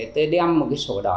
để đem một cái sổ đỏ